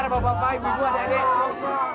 sabar bapak ibu adik adik